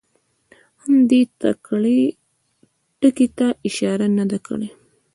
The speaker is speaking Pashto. هم دې ټکي ته اشاره نه ده کړې.